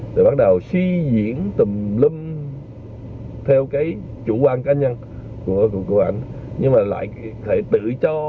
rồi bắt đầu suy diễn từng lưng theo cái chủ quan cá nhân của anh nhưng mà lại phải tự cho